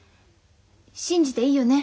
信じていいよね？